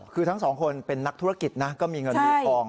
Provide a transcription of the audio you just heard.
คือทั้งสองคนเป็นนักธุรกิจนะก็มีเงินมีทอง